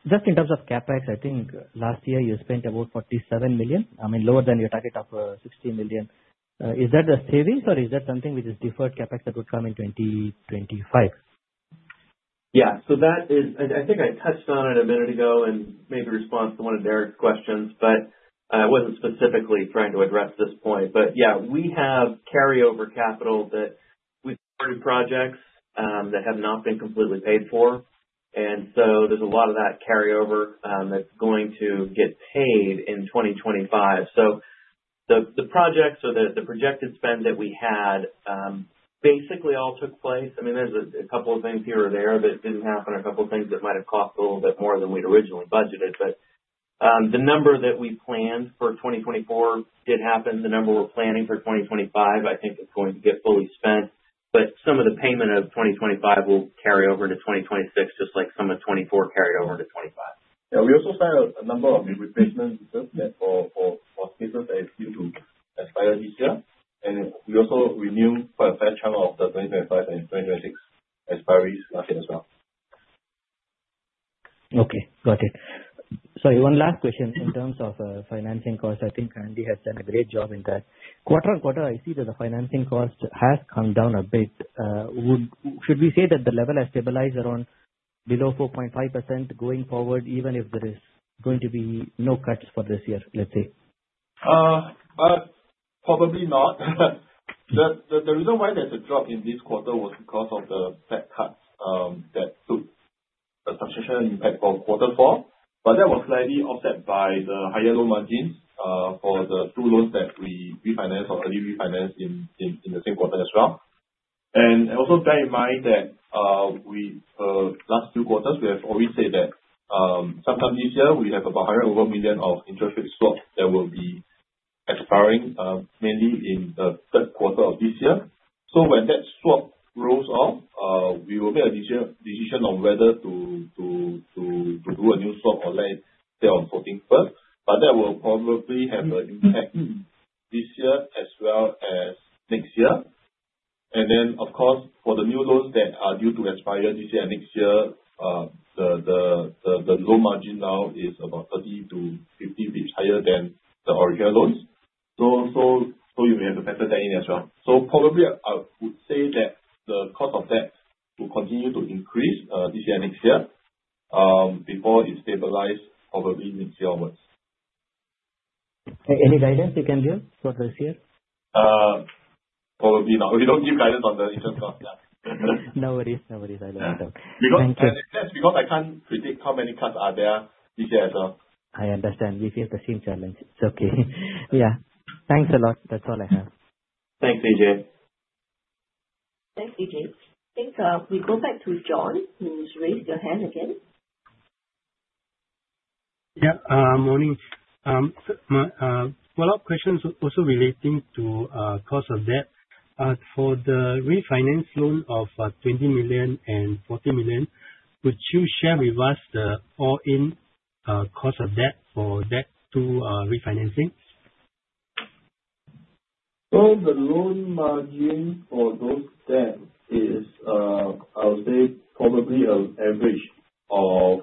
Just in terms of CapEx, I think last year you spent about $47 million, lower than your target of $60 million. Is that a savings or is that something which is deferred CapEx that would come in 2025? Yeah. I think I touched on it a minute ago and maybe response to one of Derek's questions, but I wasn't specifically trying to address this point. Yeah, we have carryover capital that we've started projects that have not been completely paid for, there's a lot of that carryover that's going to get paid in 2025. The projected spend that we had basically all took place. There's a couple of things here or there that didn't happen, a couple of things that might have cost a little bit more than we'd originally budgeted. The number that we planned for 2024 did happen. The number we're planning for 2025, I think is going to get fully spent. Some of the payment of 2025 will carry over to 2026, just like some of 2024 carried over to 2025. Yeah, we also signed a number of new replacements for spaces that are due to expire this year. We also renewed quite a fair chunk of the 2025 and 2026 expiries last year as well. Okay, got it. Sorry, one last question. In terms of financing costs, I think Andy has done a great job in that. Quarter-on-quarter, I see that the financing cost has come down a bit. Should we say that the level has stabilized around below 4.5% going forward, even if there is going to be no cuts for this year, let's say? Probably not. The reason why there's a drop in this quarter was because of the Fed cuts that took a substantial impact on Q4. That was slightly offset by the higher loan margins for the 2 loans that we refinance or early refinance in the same quarter as well. Also bear in mind that, last 2 quarters, we have already said that sometime this year we have about $100 million of interest rate swaps that will be expiring, mainly in Q3 of this year. When that swap rolls off, we will make a decision on whether to do a new swap or let it stay on floating first, but that will probably have an impact this year as well as next year. Of course, for the new loans that are due to expire this year, next year, the loan margin now is about 30 to 50 basis points higher than the original loans. You may have to factor that in as well. Probably I would say that the cost of debt will continue to increase, this year and next year, before it stabilize probably mid-year onwards. Any guidance you can give for this year? Probably not. We don't give guidance on the interest cost. No worries. I know. Thank you. I can't predict how many cuts are there this year as well. I understand. We face the same challenge. It's okay. Yeah. Thanks a lot. That's all I have. Thanks, AJ. Thanks, AJ. I think we go back to John, who's raised your hand again. Yeah. Morning. Follow-up questions also relating to cost of debt. For the refinance loan of $20 million and $40 million, could you share with us the all-in cost of debt for that two refinancing? The loan margin for those debts is, I would say probably an average of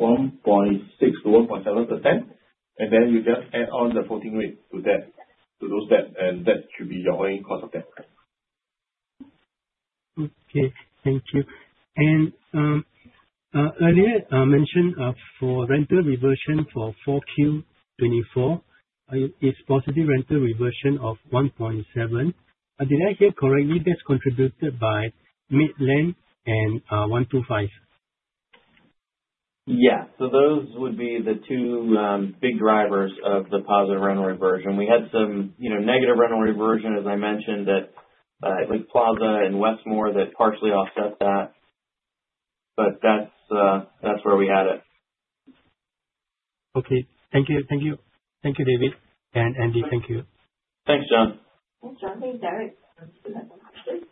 1.6%-1.7%, and then you just add on the floating rate to those debt, and that should be your all-in cost of debt. Okay. Thank you. Earlier, mentioned, for rental reversion for 4Q 2024, it's positive rental reversion of 1.7%. Did I hear correctly that's contributed by Maitland and, 125? Yeah. Those would be the two big drivers of the positive rental reversion. We had some negative rental reversion as I mentioned at Plaza and Westmoor that partially offset that, but that's where we had it. Okay. Thank you. Thank you, David, and Andy, thank you. Thanks, John. Thanks, John. Derek, you have a question.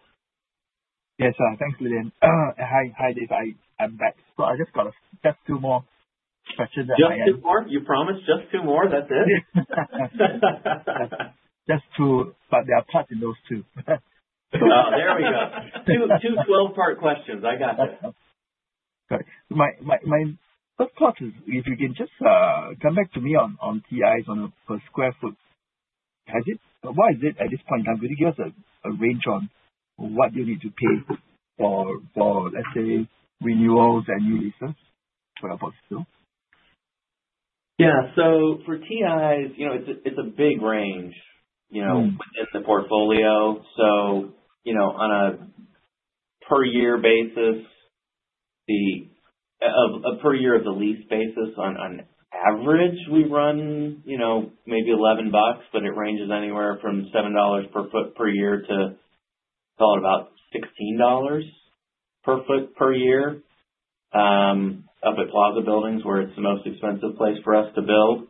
Yes. Thanks, Lillian. Hi, Dave. I'm back. I just got just two more questions that I have. Just two more? You promise just two more, that's it? Just two, they are packed in those two. Oh, there we go. Two 12-part questions. I got you. Sorry. My first part is, if you can just come back to me on TIs on a per square foot. Why is it at this point in time, could you give us a range on what you need to pay for, let's say, renewals and new leases for a portfolio? Yeah. For TIs, it's a big range within the portfolio. On a per year of the lease basis, on average, we run maybe $11, but it ranges anywhere from $7 per foot per year to about $16. Per foot per year, up at Plaza Buildings, where it's the most expensive place for us to build.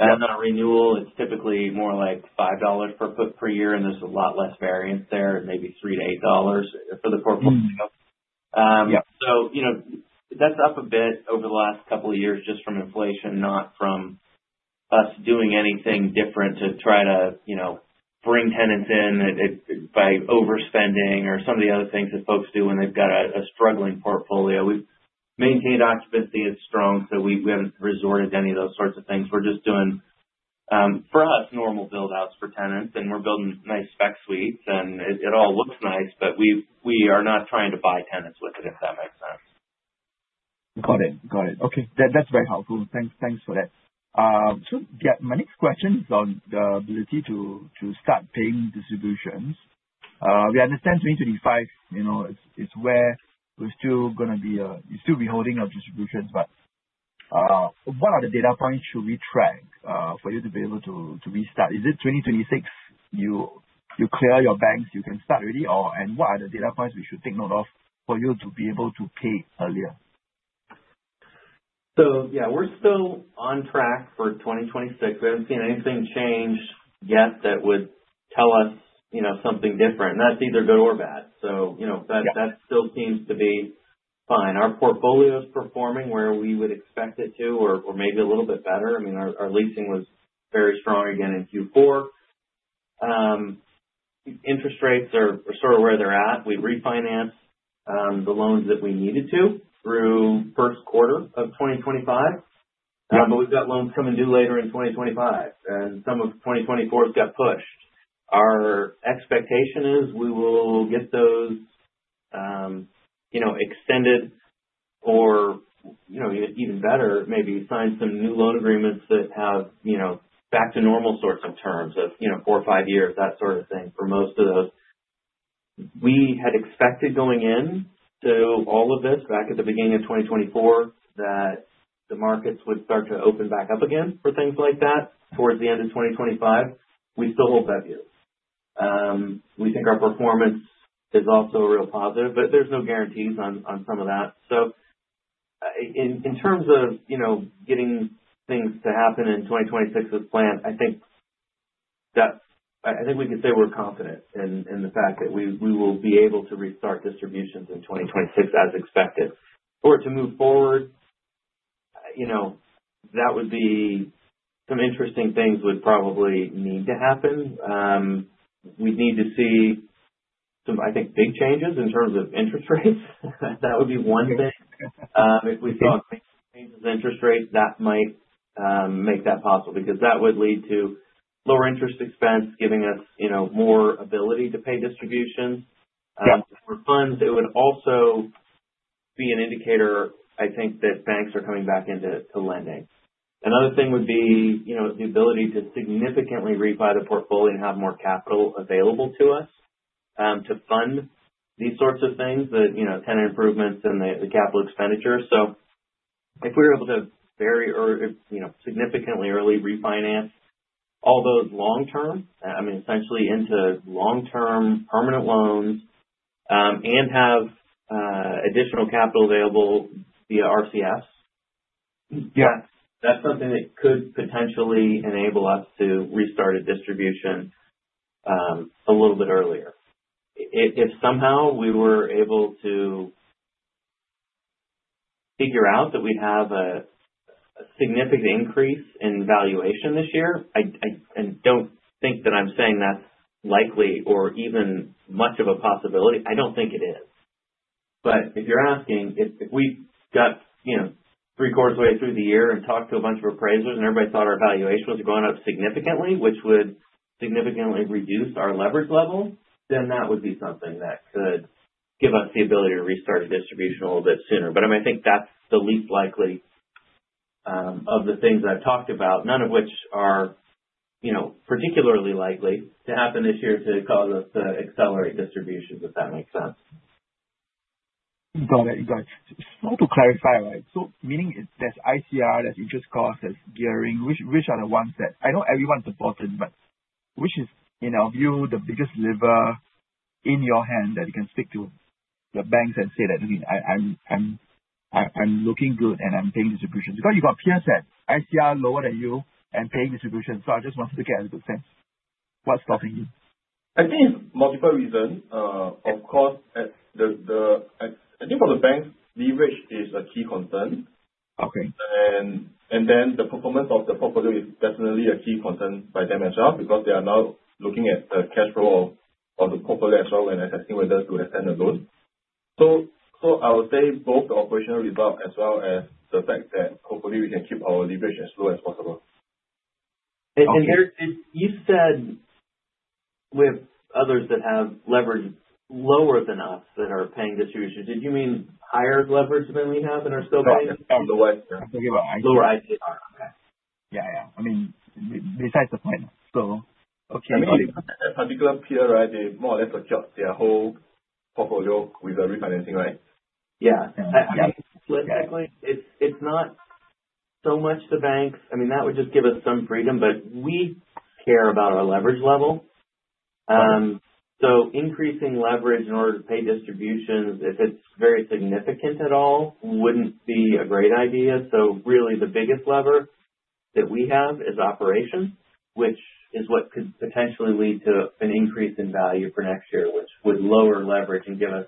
On a renewal, it's typically more like $5 per foot per year, and there's a lot less variance there, maybe $3 to $8 for the portfolio. Yeah. That's up a bit over the last couple of years just from inflation, not from us doing anything different to try to bring tenants in by overspending or some of the other things that folks do when they've got a struggling portfolio. We've maintained occupancy is strong, so we haven't resorted to any of those sorts of things. We're just doing, for us, normal build-outs for tenants, and we're building nice spec suites, and it all looks nice, but we are not trying to buy tenants with it, if that makes sense. Got it. Okay. That's very helpful. Thanks for that. Yeah, my next question is on the ability to start paying distributions. We understand 2025 is where we're you still be holding our distributions, but what are the data points should we track for you to be able to restart? Is it 2026 you clear your banks, you can start already, or/and what are the data points we should take note of for you to be able to pay earlier? Yeah, we're still on track for 2026. We haven't seen anything change yet that would tell us something different. That's either good or bad. Yeah That still seems to be fine. Our portfolio's performing where we would expect it to or maybe a little bit better. Our leasing was very strong again in Q4. Interest rates are sort of where they're at. We refinanced the loans that we needed to through first quarter of 2025. Yeah. We've got loans coming due later in 2025, and some of 2024's got pushed. Our expectation is we will get those extended or, even better, maybe sign some new loan agreements that have back to normal sorts of terms of four or five years, that sort of thing, for most of those. We had expected going in to all of this back at the beginning of 2024, that the markets would start to open back up again for things like that towards the end of 2025. We still hold that view. We think our performance is also a real positive, there's no guarantees on some of that. In terms of getting things to happen in 2026 as planned, I think we can say we're confident in the fact that we will be able to restart distributions in 2026 as expected. For it to move forward, some interesting things would probably need to happen. We'd need to see some, I think, big changes in terms of interest rates. That would be one thing. If we saw changes in interest rates, that might make that possible, because that would lead to lower interest expense giving us more ability to pay distributions. Yeah. For funds, it would also be an indicator, I think, that banks are coming back into lending. Another thing would be the ability to significantly rebuy the portfolio and have more capital available to us to fund these sorts of things, the tenant improvements and the capital expenditures. If we were able to significantly early refinance all those long-term, essentially into long-term permanent loans, and have additional capital available via RCFs. Yes That's something that could potentially enable us to restart a distribution a little bit earlier. If somehow we were able to figure out that we'd have a significant increase in valuation this year, I don't think that I'm saying that's likely or even much of a possibility. I don't think it is. If you're asking, if we got three-quarters of the way through the year and talked to a bunch of appraisers, and everybody thought our valuation was going up significantly, which would significantly reduce our leverage level, that would be something that could give us the ability to restart a distribution a little bit sooner. I think that's the least likely of the things I've talked about, none of which are particularly likely to happen this year to cause us to accelerate distributions, if that makes sense. Got it. To clarify, right? Meaning there's ICR that you just call as gearing, which are the ones that I know everyone's important, but which is, in your view, the biggest lever in your hand that you can speak to the banks and say that, "I'm looking good, and I'm paying distributions." Because you've got peers that ICR lower than you and paying distributions. I just want to get a good sense what's stopping you. I think it's multiple reasons. Of course, I think for the banks, leverage is a key concern. Okay. The performance of the portfolio is definitely a key concern by them as well because they are now looking at the cash flow of the portfolio as well when assessing whether to extend the loan. I would say both the operational results as well as the fact that hopefully we can keep our leverage as low as possible. Okay. You said with others that have leverage lower than us that are paying distributions. Did you mean higher leverage than we have and are still paying? That's the word. Lower ICR. Okay. Yeah. Besides the point. Okay. A particular peer, they more or less adjust their whole portfolio with the refinancing, right? Yeah. I mean, politically, it's not so much the banks. That would just give us some freedom, but we care about our leverage level. Right. Increasing leverage in order to pay distributions, if it's very significant at all, wouldn't be a great idea. Really the biggest lever that we have is operations, which is what could potentially lead to an increase in value for next year, which would lower leverage and give us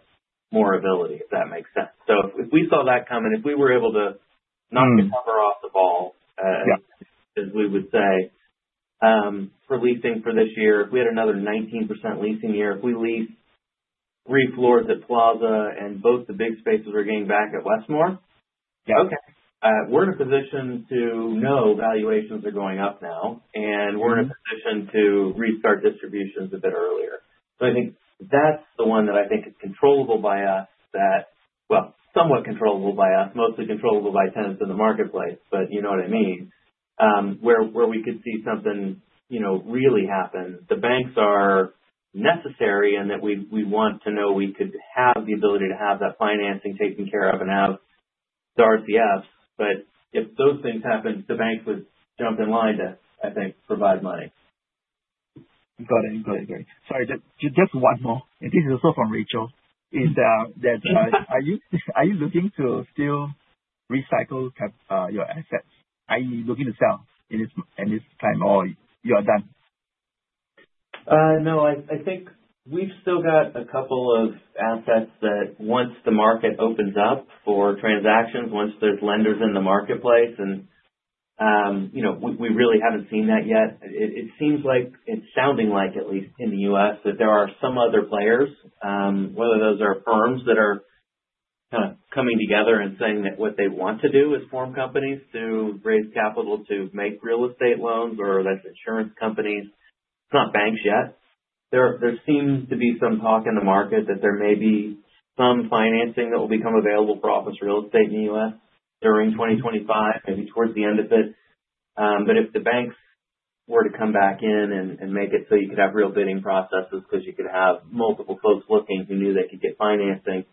more ability, if that makes sense. If we saw that coming, if we were able to knock the cover off the ball. Right As we would say, for leasing for this year. If we had another 19% leasing year, if we lease three floors at Plaza and both the big spaces we're getting back at Westmoor. Okay We're in a position to know valuations are going up now, and we're in a position to restart distributions a bit earlier. I think that's the one that I think is controllable by us that, well, somewhat controllable by us, mostly controllable by tenants in the marketplace, but you know what I mean, where we could see something really happen. The banks are necessary and that we want to know we could have the ability to have that financing taken care of and have the RCFs. If those things happen, the banks would jump in line to, I think, provide money. Got it. Sorry, just one more, and this is also from Rachel. Are you looking to still recycle your assets, i.e., looking to sell in this time, or you are done? No. I think we've still got a couple of assets that once the market opens up for transactions, once there's lenders in the marketplace, and we really haven't seen that yet. It seems like, it's sounding like, at least in the U.S., that there are some other players. Whether those are firms that are kind of coming together and saying that what they want to do is form companies to raise capital to make real estate loans or that's insurance companies. It's not banks yet. There seems to be some talk in the market that there may be some financing that will become available for office real estate in the U.S. during 2025, maybe towards the end of it. If the banks were to come back in and make it so you could have real bidding processes because you could have multiple folks looking who knew they could get financing,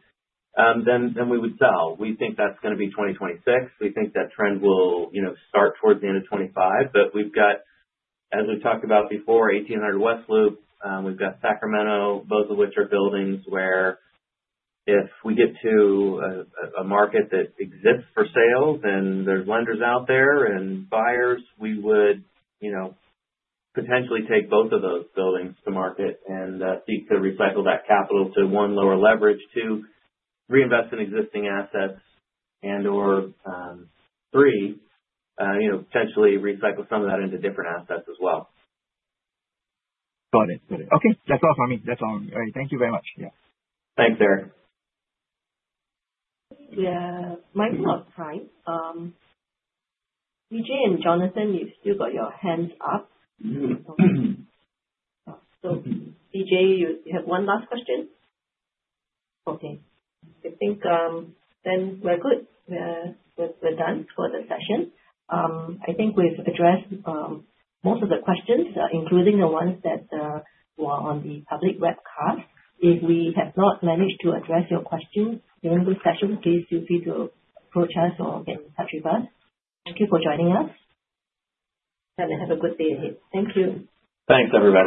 then we would sell. We think that's going to be 2026. We think that trend will start towards the end of 2025. We've got, as we've talked about before, 1800 West Loop, we've got Sacramento, both of which are buildings where if we get to a market that exists for sale and there's lenders out there and buyers, we would potentially take both of those buildings to market and seek to recycle that capital to, one, lower leverage, two, reinvest in existing assets, and/or, three, potentially recycle some of that into different assets as well. Got it. That's all from me. Thank you very much. Yeah. Thanks, Eric. Might be out of time. BJ and Jonathan, you've still got your hands up. BJ, you have one last question? I think we're good. We're done for the session. I think we've addressed most of the questions, including the ones that were on the public webcast. If we have not managed to address your questions during this session, please feel free to approach us or get in touch with us. Thank you for joining us, and have a good day ahead. Thank you. Thanks, everybody.